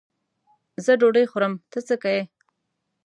زه ډوډۍ خورم؛ ته څه که یې.